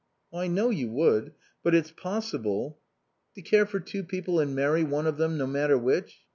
"I know you would. But it's possible " "To care for two people and marry one of them, no matter which?